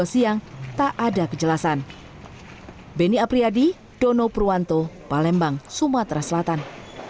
siang tak ada kejelasan benny apriyadi dono purwanto palembang sumatera selatan